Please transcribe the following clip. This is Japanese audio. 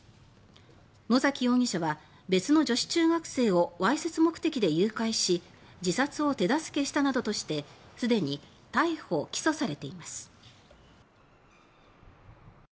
野崎容疑者は別の女子中学生をわいせつ目的で誘拐し自殺を手助けしたなどとして既に逮捕・起訴されています。